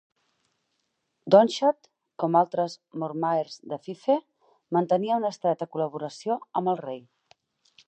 Donnchad, com altres mormaers de Fife, mantenia una estreta col·laboració amb el rei.